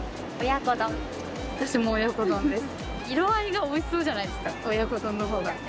私も親子丼です。